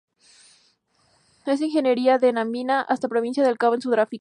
Es originaria de Namibia hasta Provincia del Cabo en Sudáfrica.